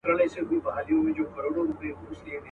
چي په ځان كي دا جامې د لوى سلطان سي.